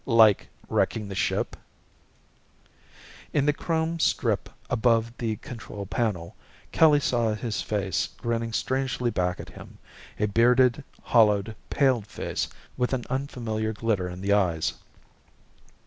Like wrecking the ship? In the chrome strip above the control panel, Kelly saw his face grinning strangely back at him, a bearded, hollowed, paled face with an unfamiliar glitter in the eyes.